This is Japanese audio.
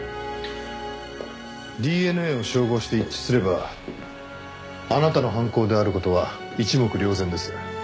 ＤＮＡを照合して一致すればあなたの犯行である事は一目瞭然です。